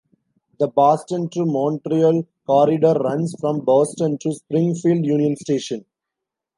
The Boston to Montreal corridor runs from Boston to Springfield Union Station.